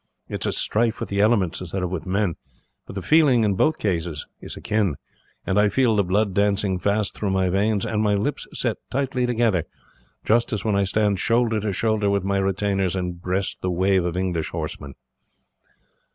It is a strife with the elements instead of with men, but the feeling in both cases is akin, and I feel the blood dancing fast through my veins and my lips set tightly together, just as when I stand shoulder to shoulder with my retainers, and breast the wave of English horsemen."